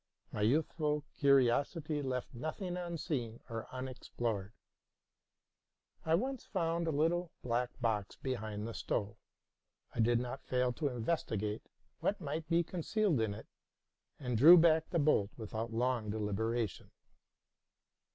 My youthful curiosity left nothing unseen or unexplored. I once found a little black box behind the stove : I did not fail to investigate what might be concealed in it, and drew back the bolt without long deliberation.